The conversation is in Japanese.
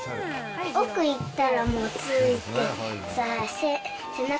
奥行ったらもう、ついてさ、背中